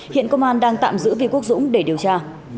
hiện công an đang tạm giữ vi quốc dũng để điều tra